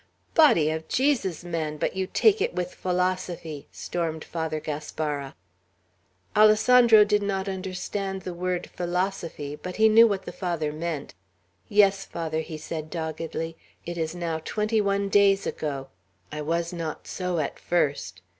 "Body of Jesus! man! But you take it with philosophy!" stormed Father Gaspara. Alessandro did not understand the word "philosophy," but he knew what the Father meant. "Yes, Father," he said doggedly. "It is now twenty one days ago. I was not so at first.